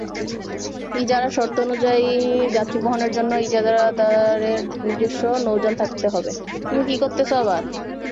ইজারার শর্ত অনুযায়ী, যাত্রী বহনের জন্য ইজারাদারের নিজস্ব নৌযান থাকতে হবে।